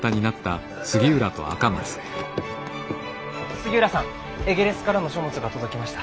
杉浦さんエゲレスからの書物が届きました。